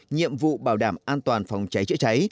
nhiệm vụ bảo đảm an toàn phòng cháy chữa cháy